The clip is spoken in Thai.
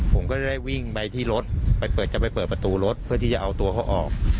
ผมก็จะได้วิ่งไปที่รถไปเปิดจะไปเปิดประตูรถเพื่อที่จะเอาตัวเขาออก